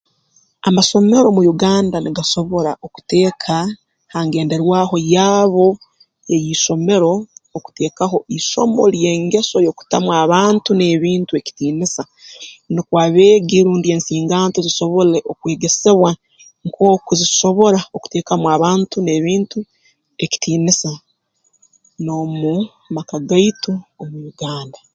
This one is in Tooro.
Amasomero mu Uganda nigasobora okuteeka ha ngenderwaho yaabo ey'isomero okuteekaho isomo ly'engeso y'okutamu abantu n'ebintu ekitiinisa nukwo abeegi rundi ensinganto zisobole okwegesebwa nk'oku zisobora okuteekamu abantu n'ebintu ekitiinisa n'omu maka gaitu omu Uganda